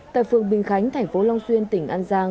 tại phường bình khánh thành phố long xuyên tỉnh an giang